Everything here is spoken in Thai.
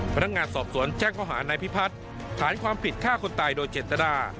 พนักงานสอบสวนแจ้งข้อหานายพิพัฒน์ฐานความผิดฆ่าคนตายโดยเจตนา